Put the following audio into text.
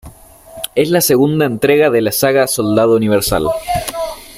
Es la segunda entrega de la saga Soldado Universal.